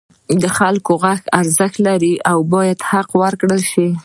د خلکو غږ ارزښت لري او باید حق ورکړل شي.